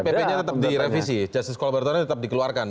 tapi ppnya tetap direvisi justice collaboratornya tetap dikeluarkan